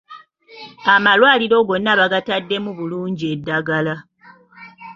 Amalwaliro gonna baagataddemu bulungi eddagala.